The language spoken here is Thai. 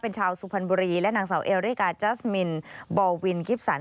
เป็นชาวสุพรรณบุรีและนางสาวเอริกาจัสมินบอลวินกิฟสัน